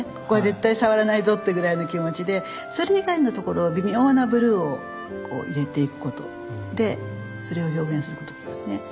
ここは絶対触らないぞってぐらいの気持ちでそれ以外のところは微妙なブルーを入れていくことでそれを表現することですね。